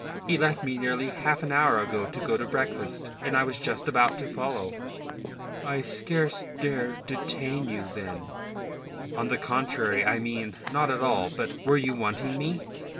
He left me nearly half an hour ago to go to breakfast, and I was just about to follow." "I scarcely dare detain you, then." "On the contrary. I mean... not at all. But... were you wanting me?"